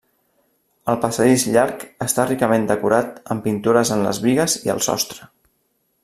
El passadís llarg està ricament decorat amb pintures en les bigues i el sostre.